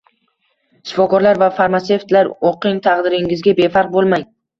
Shifokorlar va farmatsevtlar, o'qing, taqdiringizga befarq bo'lmang